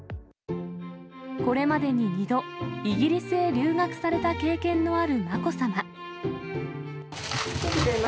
これまでに２度、イギリスへ留学された経験のあるまこさま。